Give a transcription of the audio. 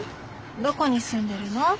どこに住んでるの？